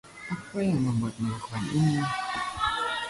Apa yang membuatmu melakukan ini?